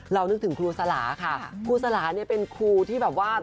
นึกถึงครูสลาค่ะครูสลาเนี่ยเป็นครูที่แบบว่า